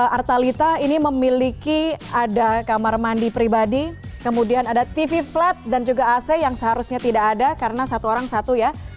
artalita ini memiliki ada kamar mandi pribadi kemudian ada tv flat dan juga ac yang seharusnya tidak ada karena satu orang satu ya